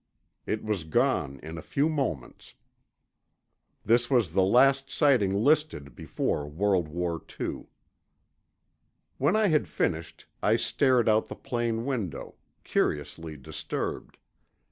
It was gone in a few moments. This was the last sighting listed before World War II. When I had finished, I stared out the plane window, curiously disturbed.